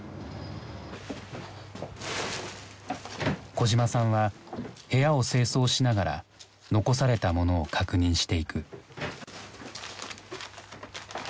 小島さんは部屋を清掃しながら遺されたものを確認していく。